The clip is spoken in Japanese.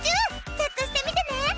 チェックしてみてね。